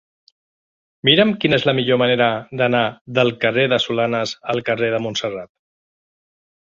Mira'm quina és la millor manera d'anar del carrer de Solanes al carrer de Montserrat.